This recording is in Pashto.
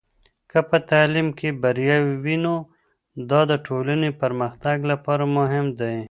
که په تعلیم کې بریا وي، نو دا د ټولنې پرمختګ لپاره مهم دی.